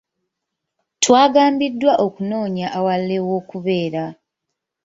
Twagambiddwa okunoonya ewalala ew'okubeera.